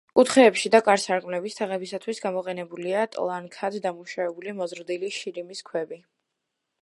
კუთხეებში და კარ-სარკმლების თაღებისათვის გამოყენებულია ტლანქად დამუშავებული მოზრდილი შირიმის ქვები.